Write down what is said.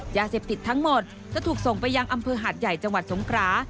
ยาเสพติดทั้งหมดจะถูกส่งไปยังอำเภอหาดใหญ่จังหวัดสงครา